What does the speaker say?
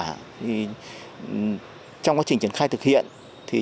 trong quá trình triển khai thực hiện chúng tôi đã tiến hành các loại cây ăn quả đó là cây trè và cây ăn quả